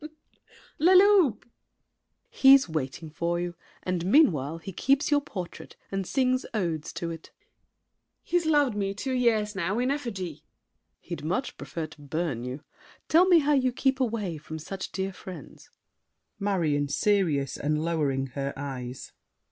[Laughing more heartily. Leloup! SAVERNY. He's waiting for you, and meanwhile He keeps your portrait and sings odes to it. MARION. He's loved me two years now, in effigy. SAVERNY. He'd much prefer to burn you. Tell me how You keep away from such dear friends. MARION (serious, and lowering her eyes).